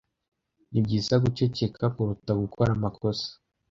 Nibyiza guceceka kuruta gukora amakosa.